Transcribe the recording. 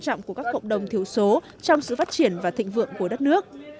trọng của các cộng đồng thiểu số trong sự phát triển và thịnh vượng của đất nước